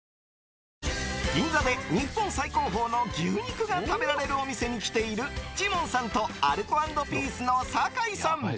銀座で日本最高峰の牛肉が食べられるお店に来ているジモンさんとアルコ＆ピースの酒井さん。